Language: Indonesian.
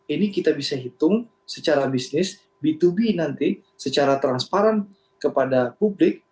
ini kita bisa hitung secara bisnis b dua b nanti secara transparan kepada publik